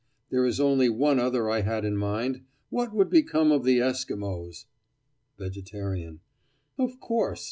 There is only one other I had in mind. What would become of the Esquimaux? VEGETARIAN: Of course!